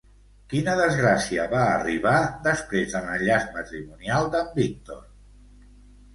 Quina desgràcia va arribar després de l'enllaç matrimonial d'en Víctor?